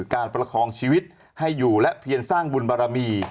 ประคองชีวิตให้อยู่และเพียงสร้างบุญบารมี